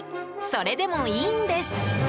それでもいいんです。